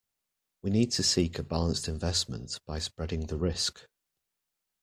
We need to seek a balanced investment by spreading the risk.